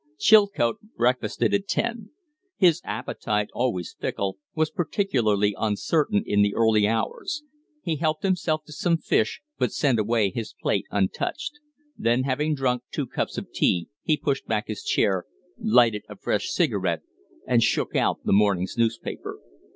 Chilcote breakfasted at ten. His appetite, always fickle, was particularly uncertain in the early hours. He helped himself to some fish, but sent away his plate untouched; then, having drunk two cups of tea, he pushed back his chair, lighted a fresh cigarette, and shook out the morning's newspaper.